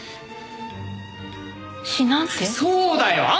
そうだよ！